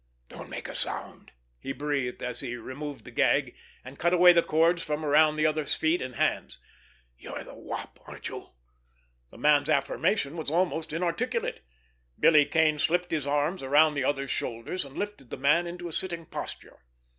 "Don't make a sound!" he breathed, as he removed the gag, and cut away the cords from around the other's feet and hands. "You're the Wop, aren't you?" The man's affirmation was almost inarticulate. Billy Kane slipped his arm around the other's shoulders and lifted the man into a sitting posture.